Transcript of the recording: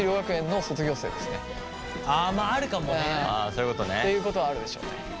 あまああるかもね。っていうことはあるでしょうね。